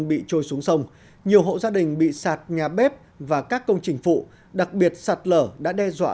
bị trôi xuống sông nhiều hộ gia đình bị sạt nhà bếp và các công trình phụ đặc biệt sạt lở đã đe dọa